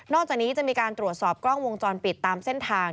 อกจากนี้จะมีการตรวจสอบกล้องวงจรปิดตามเส้นทาง